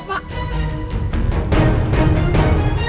pak tangkap ya